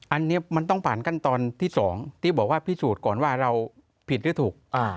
อันนี้มันต้องผ่านขั้นตอนที่๒ที่บอกว่าพิสูจน์ก่อนว่าเราผิดหรือถูก